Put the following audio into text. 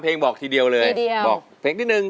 ๓เพลงบอกทีเดียวเลยทีเดียว